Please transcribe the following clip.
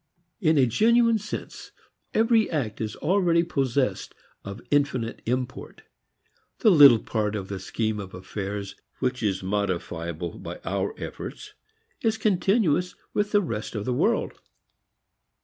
In a genuine sense every act is already possessed of infinite import. The little part of the scheme of affairs which is modifiable by our efforts is continuous with the rest of the world.